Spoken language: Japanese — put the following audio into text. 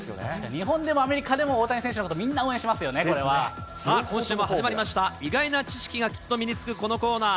日本でもアメリカでも大谷選手のこと、さあ今週も始まりました、意外な知識がきっと身につくこのコーナー。